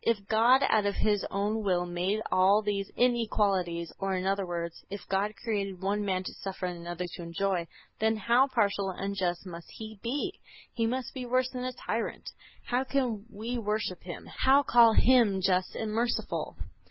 If God out of His own will made all these inequalities, or, in other words, if God created one man to suffer and another to enjoy, then how partial and unjust must He be! He must be worse than a tyrant. How can we worship Him, how call Him just and merciful?